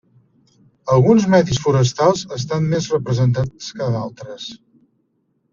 Alguns medis forestals estan més representats que d'altres.